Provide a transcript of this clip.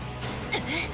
えっ！